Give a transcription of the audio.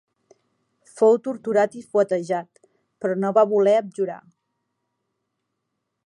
Fou torturat i fuetejat, però no va voler abjurar.